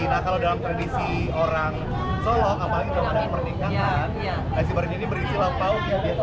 nah kalau dalam tradisi orang solok apalagi dalam pernikahan nasib baronjin ini berisi lapau